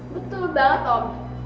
betul banget om